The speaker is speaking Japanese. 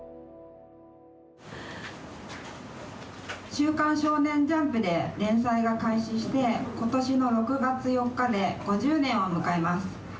『週刊少年ジャンプ』で連載が開始して今年の６月４日で５０年を迎えます。